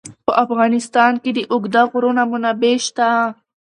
په افغانستان کې د اوږده غرونه منابع شته.